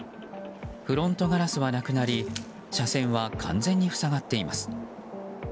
フロントガラスはなくなり車線は完全に塞がっています。